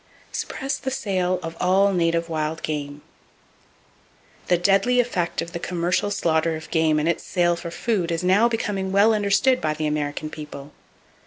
Suppress The Sale Of All Native Wild Game .—The deadly effect of the commercial slaughter of game and its sale for food is now becoming well understood by the American people.